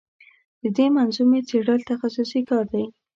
د دې منظومې څېړل تخصصي کار دی.